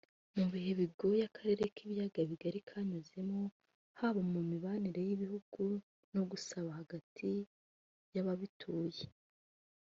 Mu bihe bigoye Akarere k’Ibiyaga bigari kanyuzemo haba mu mibanire y’ibihugu no gusabana hagati y’ababituye